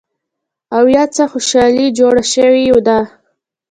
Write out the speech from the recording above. او يا څه خوشحالي جوړه شوې ده